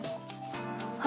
あ！